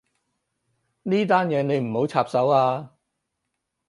呢單嘢你唔好插手啊